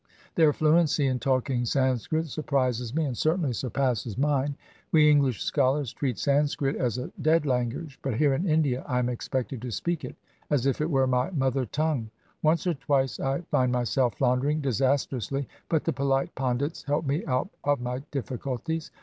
Their fluency in talking Sanskrit surprises me, and certainly surpasses mine. We English scholars treat Sanskrit as a dead language, but here in India I am expected to speak it as if it were my mother tongue. Once or twice I find myself floundering disastrously, but the polite Pandits help me out of my difficulties.